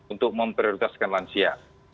untuk memprioritaskan lansia